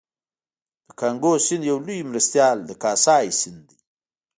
د کانګو سیند یو لوی مرستیال د کاسای سیند دی